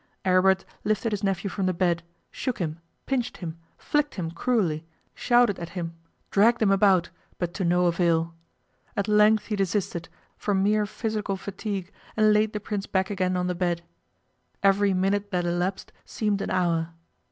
Aribert lifted his nephew from the bed, shook him, pinched him, flicked him cruelly, shouted at him, dragged him about, but to no avail. At length he desisted, from mere physical fatigue, and laid the Prince back again on the bed. Every minute that elapsed seemed an hour.